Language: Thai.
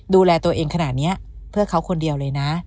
ดูแลตัวเองขนาดนี้เพื่อเขาคนเดียวเลยนะ